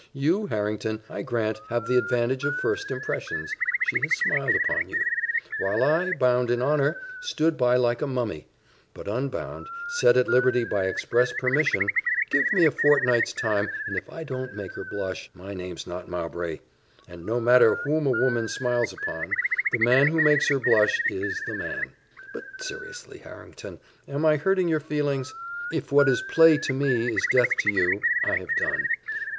You, Harrington, I grant, have the advantage of first impressions she has smiled upon you; while I, bound in honour, stood by like a mummy but unbound, set at liberty by express permission give me a fortnight's time, and if I don't make her blush, my name's not Mowbray! and no matter whom a woman smiles upon, the man who makes her blush is the man. But seriously, Harrington, am I hurting your feelings? If what is play to me is death to you, I have done.